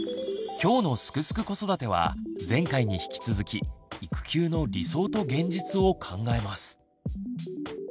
今日の「すくすく子育て」は前回に引き続き「育休の理想と現実」を考えます。